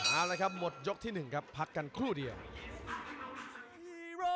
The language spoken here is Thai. เอาละครับหมดยกที่๑ครับพักกันครู่เดียว